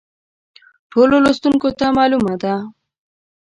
ټولو لوستونکو ته معلومه ده.